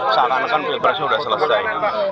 seakan akan pilpres sudah selesai